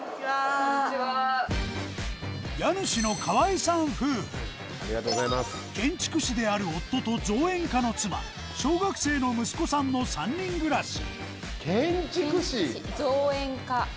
家主の河合さん夫婦建築士である夫と造園家の妻小学生の息子さんの３人暮らし造園家？